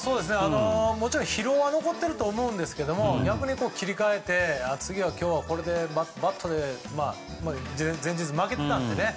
もちろん疲労は残っていると思うんですが逆に切り替えて、今日はバットで前日負けてたのでね。